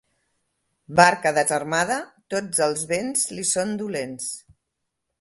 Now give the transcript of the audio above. Barca desarmada, tots els vents li són dolents.